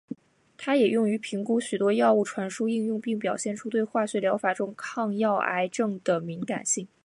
它也用于评估许多药物传输应用并表现出对化学疗法中抗药癌症的敏感性。